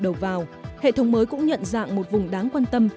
đầu vào hệ thống mới cũng nhận dạng một vùng đáng quan tâm